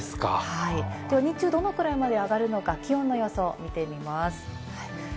今日日中、どのくらい上がるのか、気温の様子を見てみます。